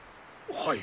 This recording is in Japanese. はい。